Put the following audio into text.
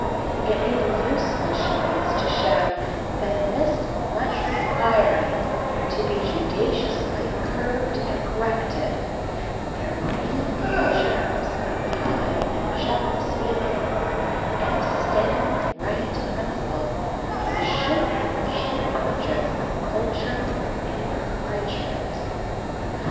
It may be useful, she thinks, to show, that amidst much requiring to be judiciously curbed and corrected, there may be the germs of high and generous feeling, and of steady, right principle, which should be the chief objects of culture and encouragement.